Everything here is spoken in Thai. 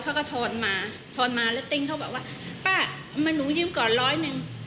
เขาก็ทอนมาแล้วติ้งเขาบอกว่าป้ามาหนูยืมก่อร้อยนึง